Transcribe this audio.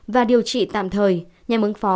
và điều trị tạm thời nhằm ứng phó